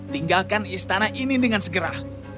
tinggalkan istana ini dengan segera